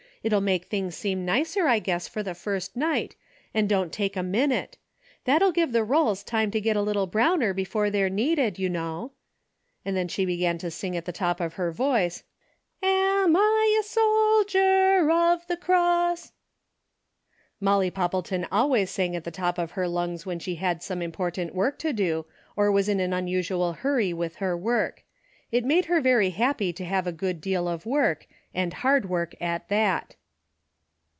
It'll make things seem nicer I guess for the first night, and don't take a minute. That'll give the rolls time to get a little browner before they're needed, you know." Then she began to sing at the top of her voice :" Am I a soldier of the cross, —" Molly Popple ton always sang at the top of her lungs when she had some important work to do or was in an unusual hurry with her work. It made her very happy to have a good deal of work, and hard work at that.